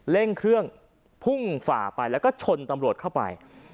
เร่งเครื่องพุ่งฝ่าไปแล้วก็ชนตำรวจเข้าไป